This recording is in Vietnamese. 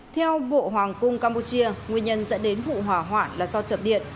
theo bộ hoàng cung campuchia nguyên nhân dẫn đến vụ hỏa hoạn là do chập điện